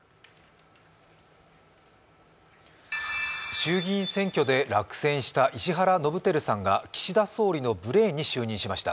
衆議院選挙で落選した石原伸晃さんが岸田総理のブレーンに就任しました。